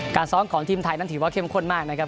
การซ้อมของทีมไทยนั้นถือว่าเข้มข้นมากนะครับ